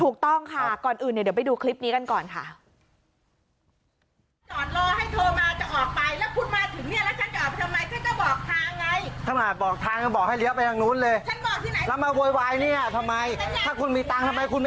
ถูกต้องค่ะก่อนอื่นเดี๋ยวไปดูคลิปนี้กันก่อนค่ะ